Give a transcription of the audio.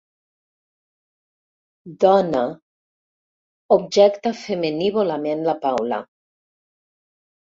Dona... –objecta femenívolament la Paula.